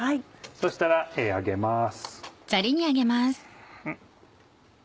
そしたら上げます。